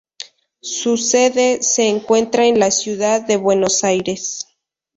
Su sede se encuentra en la ciudad de Buenos Aires.